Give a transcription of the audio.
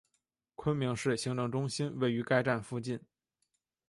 昆明市行政中心位于该站附近。